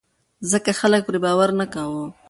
ځکه خلک پرې باور نه کاوه.